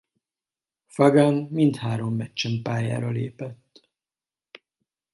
Fagan mindhárom meccsen pályára lépett.